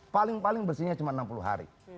paling paling bersihnya cuma enam puluh hari